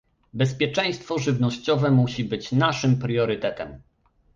Bezpieczeństwo żywnościowe musi być naszym priorytetem